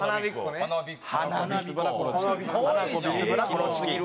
ハナコビスブラコロチキ。